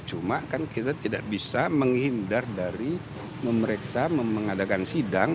cuma kan kita tidak bisa menghindar dari memeriksa mengadakan sidang